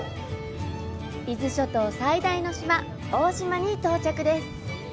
伊豆諸島最大の島、大島に到着です。